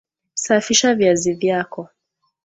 Safisha viazi vyako